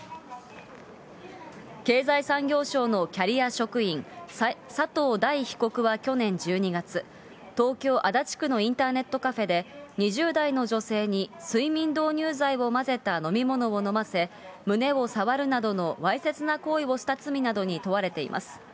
経済産業省のキャリア職員、佐藤大被告は去年１２月、東京・足立区のインターネットカフェで、２０代の女性に睡眠導入剤を混ぜた飲み物を飲ませ、胸を触るなどのわいせつな行為をした罪などに問われています。